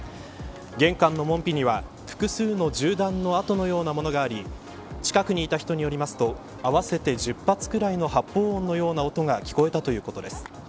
玄関の門扉には、複数の銃弾の痕のようなものがあり近くにいた人によりますと合わせて１０発ぐらいの発砲音のような音が聞こえたということです。